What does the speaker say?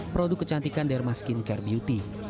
produk kecantikan derma skincare beauty